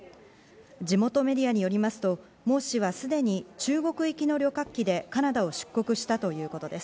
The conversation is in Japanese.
地元メディアによりますとモウ氏はすでに中国行きの旅客機でカナダを出国したということです。